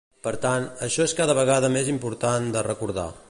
Per tant, això és cada vegada més important de recordar.